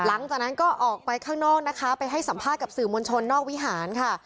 หลังจากนั้นก็ออกไปข้างนอกนะคะไปให้สัมภาษณ์กับสื่อมวลชนนอกวิหารค่ะ